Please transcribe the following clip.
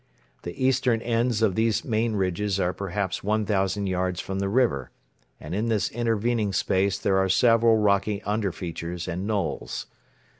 The eastern ends of these main ridges are perhaps 1,000 yards from the river, and in this intervening space there are several rocky under features and knolls.